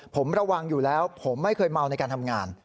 ผมระวังอยู่แล้วผมไม่เคยเมาในการทำงาน